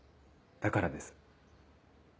だからです。